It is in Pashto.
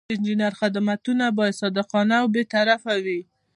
د انجینر خدمتونه باید صادقانه او بې طرفه وي.